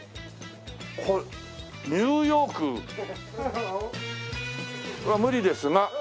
これニューヨーク。は無理ですが。